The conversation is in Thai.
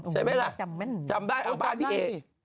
ใช่ไหมล่ะจำได้เอาบ้านพี่เอก